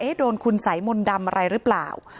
เอ๊ะโดนคุณสายมนดำอะไรหรือเปล่า